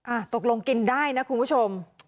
ตกลงกินได้นะคุณผู้ชม